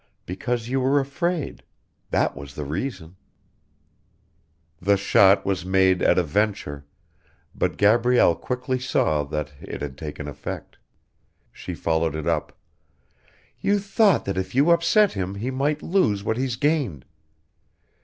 Because you were afraid. That was the reason." The shot was made at a venture, but Gabrielle quickly saw that it had taken effect. She followed it up: "You thought that if you upset him he might lose what he's gained.